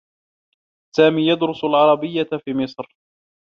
سامي يدرّس العربيّة في مصر.